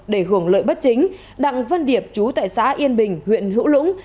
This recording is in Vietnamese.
để hưởng lợi bất chính đặng văn điệp chú tại xã yên bình huyện hữu lũng